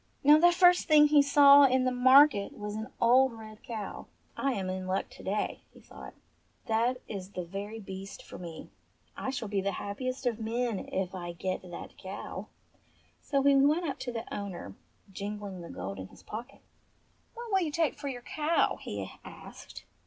Now the first thing he saw in the market was an old red cow. "I am in luck to day," he thought, "that is the very beast for me. I shall be the happiest of men if I get that cow." So he went up to the owner, jingling the gold in his pocket. "What will you take for your cow .?" he asked.